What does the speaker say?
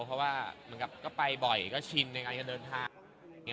เพราะว่ามันก็ไปบ่อยก็ชินในการเดินทาง